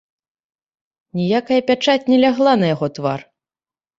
Ніякая пячаць не лягла на яго твар.